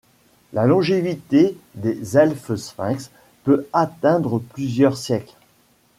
La longévité des elfes-sphinx peut atteindre plusieurs siècles.